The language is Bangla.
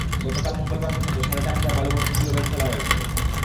গতকাল মঙ্গলবার পর্যন্ত সাড়ে চার হাজার বালুভর্তি জিও ব্যাগ ফেলা হয়েছে।